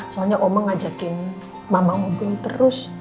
soalnya oma ngajakin mama obrolin terus